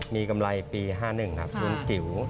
มีกำไรปี๕๑ครับรุ่นจิ๋ว